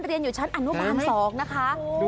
เรียนอยู่ชั้นอนุปราณสองนะคะ